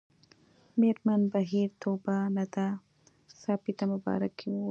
مېرمن بهیر طوبا ندا ساپۍ ته مبارکي وايي